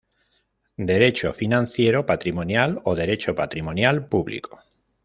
Derecho financiero patrimonial o Derecho patrimonial público.